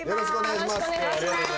よろしくお願いします。